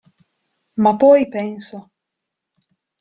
Ma poi penso.